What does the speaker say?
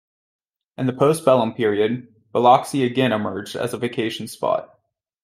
In the postbellum period, Biloxi again emerged as a vacation spot.